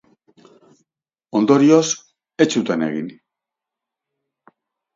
Ondorioz, ez zuten egin.